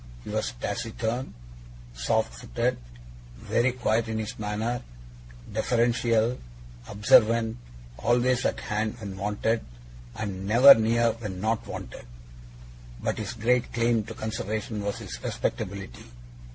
He was taciturn, soft footed, very quiet in his manner, deferential, observant, always at hand when wanted, and never near when not wanted; but his great claim to consideration was his respectability.